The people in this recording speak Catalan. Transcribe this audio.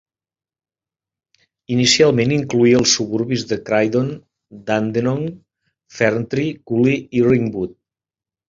Inicialment incloïa els suburbis de Croydon, Dandenong, Ferntree Gully i Ringwood.